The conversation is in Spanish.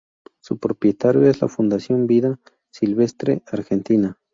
Su propietario es la Fundación Vida Silvestre Argentina.